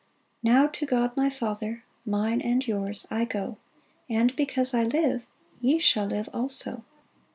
" Now to God, my Father Mine and yours— I go ; And because I live Ye shall live also